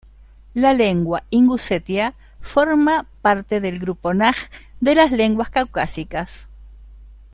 La lengua ingusetia forma parte del grupo naj de lenguas caucásicas.